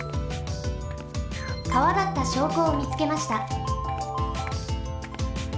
川だったしょうこをみつけました。